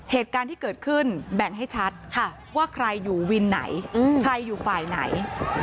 เหตุการณ์ที่เกิดขึ้นแบ่งให้ชัดว่าใครอยู่วินไหนใครอยู่ฝ่ายไหน